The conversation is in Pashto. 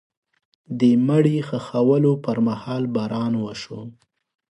د مړي د ښخولو پر مهال باران وشو.